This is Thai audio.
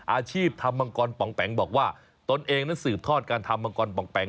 อาชีพทำมังกรปองแป๋งบอกว่าตนเองนั้นสืบทอดการทำมังกรปองแปง